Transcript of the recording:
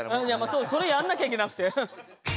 そうそれやんなきゃいけなくて。